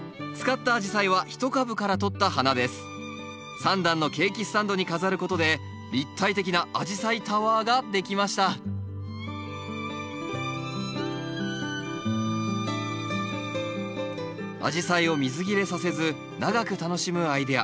３段のケーキスタンドに飾ることで立体的なアジサイタワーができましたアジサイを水切れさせず長く楽しむアイデア。